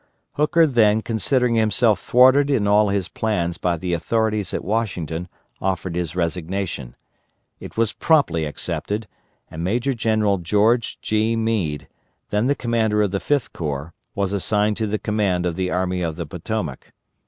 Hooker then considering himself thwarted in all his plans by the authorities at Washington, offered his resignation. It was promptly accepted, and Major General George G. Meade, then the commander of the Fifth Corps, was assigned to the command of the Army of the Potomac.